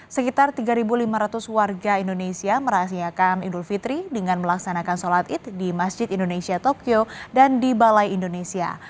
sekitar tiga lima ratus warga indonesia merahasiakan idul fitri dengan melaksanakan sholat id di masjid indonesia tokyo dan di balai indonesia